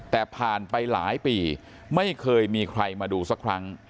แต่ผ่านไปหลายปีไม่เคยมีใครมาดูสักครั้ง